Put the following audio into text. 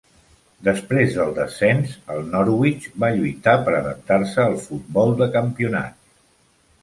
Després del descens, el Norwich va lluitar per adaptar-se al futbol de campionat.